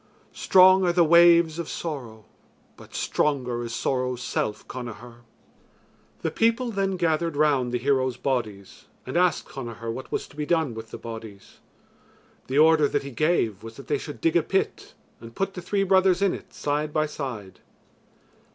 Strong are the waves of sorrow, but stronger is sorrow's self, Connachar." The people then gathered round the heroes' bodies and asked Connachar what was to be done with the bodies. The order that he gave was that they should dig a pit and put the three brothers in it side by side.